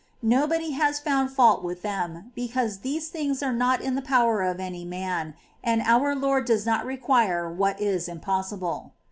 Nobody has found fault with them, because these things are not in the power of any man, and our Lord does not require what is impossible.